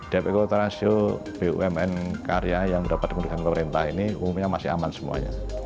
depth equity ratio bumn karya yang mendapat penugasan pemerintah ini umumnya masih aman semuanya